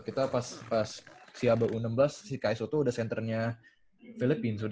itu pas siaba u enam belas si kai soto udah centernya filipina